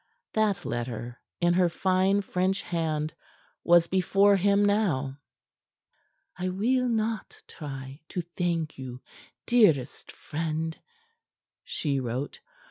That letter, in her fine French hand, was before him now. "I will not try to thank you, dearest friend," she wrote.